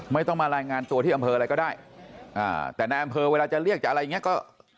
ไม่ต้องมารายงานตัวที่อำเภออะไรก็ได้อ่าแต่ในอำเภอเวลาจะเรียกจะอะไรอย่างเงี้ยก็